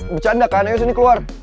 gue canda kan ayo sini keluar